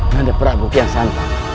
tanda prabuk yang santai